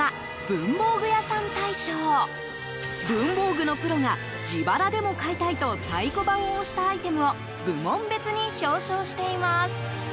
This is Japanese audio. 文房具のプロが自腹でも買いたいと太鼓判を押したアイテムを部門別に表彰しています。